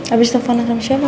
abis telfon sama siapa